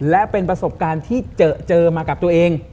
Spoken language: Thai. และเป็นประสบการณ์ที่เจอมากับตัวเอง